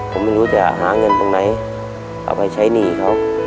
ผมไม่รู้จะหาเงินตรงไหนเอาไปใช้หนี้เขา